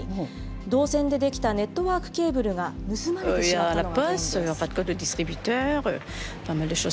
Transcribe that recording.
銅線で出来たネットワークケーブルが盗まれてしまったのが原因です。